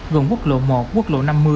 gồm quốc lộ một quốc lộ năm mươi